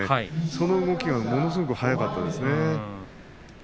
その動きがものすごく速かったですね。